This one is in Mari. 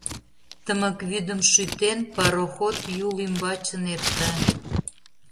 Тымык вӱдым шӱтен, Пароход Юл ӱмбачын эрта.